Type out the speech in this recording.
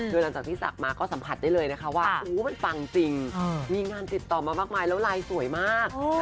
โดยหลังจากที่ศักดิ์มาก็สัมผัสได้เลยนะคะว่ามันปังจริงมีงานติดต่อมามากมายแล้วไลน์สวยมาก